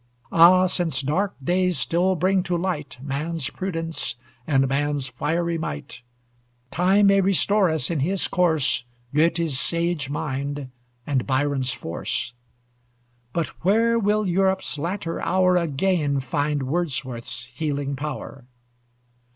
Ah! since dark days still bring to light Man's prudence and man's fiery might, Time may restore us in his course Goethe's sage mind and Byron's force; But where will Europe's latter hour Again find Wordsworth's healing power?